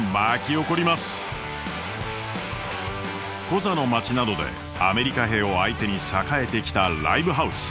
コザの街などでアメリカ兵を相手に栄えてきたライブハウス。